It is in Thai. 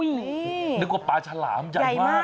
นึกว่าปลาฉลามจังมาก